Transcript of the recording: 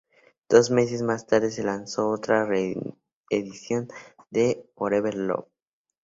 Dos meses más tarde se lanzó otra re-edición de Forever Love.